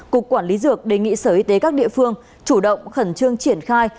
cục quản lý dược đề nghị sở y tế các địa phương chủ động khẩn trương triển khai